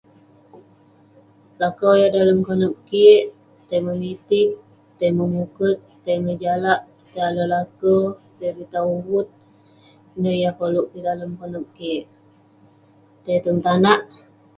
Lakau yah dalem konep kik, tai memitig, tai memuket, tai ngejalak, tai ale laker, tai pitah uvut. Ineh yah koluk kik dalem konep kik. Tai tong tanak.